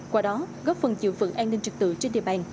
qua đó góp phần chịu phận an ninh trực tự trên địa bàn